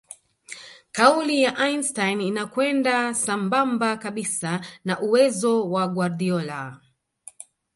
kauli ya Einstein inakwenda sambamba kabisa na uwezo wa Guardiola